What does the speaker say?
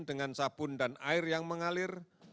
dengan sabun dan air yang mengalir